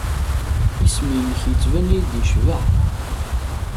Isem-nnek yettban-iyi-d yecbeḥ.